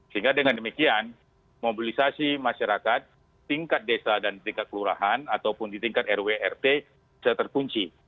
sehingga dengan demikian mobilisasi masyarakat tingkat desa dan tingkat kelurahan ataupun di tingkat rw rt bisa terkunci